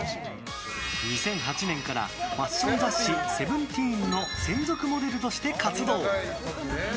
２００８年からファッション雑誌「セブンティーン」の専属モデルとして活動。